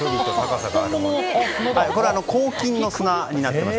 これ、抗菌の砂になっています。